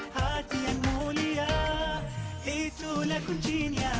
hati yang mulia itulah kuncinya